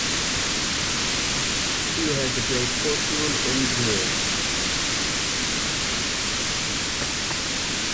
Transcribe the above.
She has a great fortune in jewels.